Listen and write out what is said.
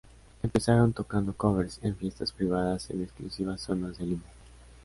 Empezaron tocando "covers" en fiestas privadas en exclusivas zonas de Lima.